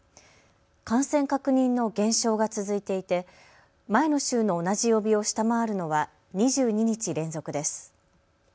感染確認の減少が続いていて前の週の同じ曜日を下回るのは２２日連続です。